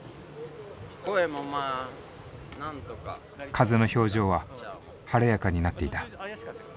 風の表情は晴れやかになっていた。